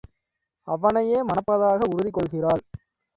அவனையே மணப்பதாக உறுதி கொள்கிறாள்.